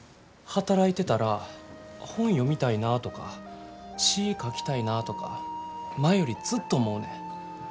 働いてたら本読みたいなとか詩ぃ書きたいなぁとか前よりずっと思うねん。